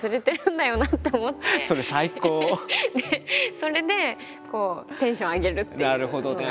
それでこうテンション上げるっていうのが。